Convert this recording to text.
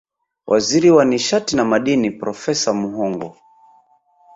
Waziri wa nishati na Madini Profesa Muhongo